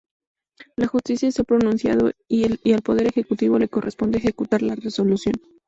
La Justicia se ha pronunciado y al Poder Ejecutivo le corresponde ejecutar la resolución.